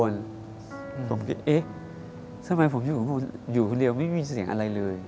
บ๊วยบ๊วยผมก็เอ๊ะทำไมผมอยู่ข้างบนอยู่คนเดียวไม่มีเสียงอะไรเลย